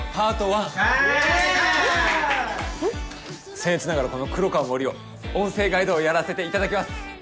せんえつながらこの黒川森生音声ガイドをやらせていただきます。